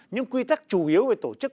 những quy tắc chủ yếu về tổ chức